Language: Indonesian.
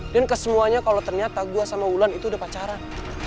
dan ke semuanya kalo ternyata gue sama ulan itu udah pacaran